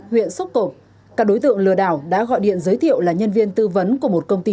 huyện sốp cộp các đối tượng lừa đảo đã gọi điện giới thiệu là nhân viên tư vấn của một công ty